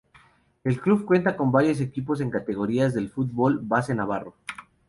El club cuenta con varios equipos en categorías del fútbol base navarro.